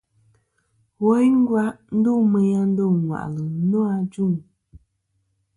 Woyn ngva ndu meyn a ndo ŋwà'lɨ nô ajuŋ.